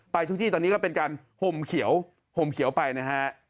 ทุกที่ตอนนี้ก็เป็นการห่มเขียวห่มเขียวไปนะฮะ